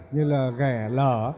như là ghẻ lở